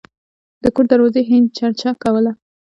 د کور دروازې هینج چرچره کوله.